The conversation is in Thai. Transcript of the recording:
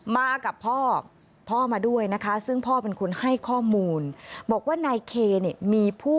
มากับพ่อพ่อมาด้วยนะคะซึ่งพ่อเป็นคนให้ข้อมูลบอกว่านายเคเนี่ยมีผู้